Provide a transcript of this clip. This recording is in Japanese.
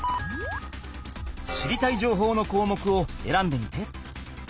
知りたいじょうほうのこうもくをえらんでみて。